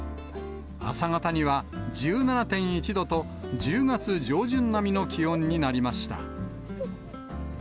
朝方には、１７．１度と１０月上旬並みの気温になりました。